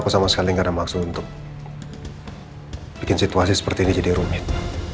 aku sama sekali gak ada maksud untuk bikin situasi seperti ini jadi rumit